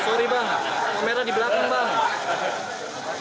sorry bang kamera di belakang bang